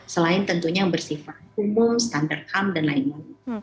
selain tentunya yang bersifat umum standar ham dan lain lain